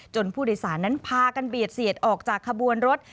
ผู้โดยสารนั้นพากันเบียดเสียดออกจากขบวนรถ